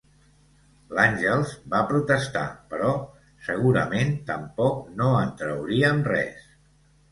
L'Àngels va protestar, però segurament tampoc no en trauríem res.